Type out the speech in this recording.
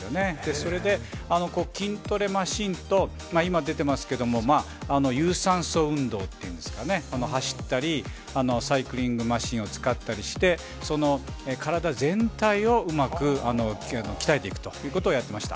それで、筋トレマシーンと今出てますけども、有酸素運動っていうんですかね、走ったり、サイクリングマシーンを使ったりして、体全体をうまく鍛えていくということをやってました。